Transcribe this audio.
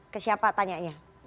ke siapa tanyanya